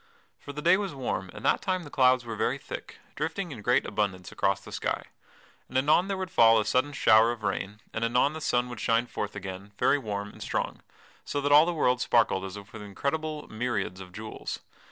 For the day was warm and that time the clouds were very thick, drifting in great abundance across the sky. And anon there would fall a sudden shower of rain, and anon the sun would shine forth again, very warm and strong, so that all the world sparkled as with incredible myriads of jewels.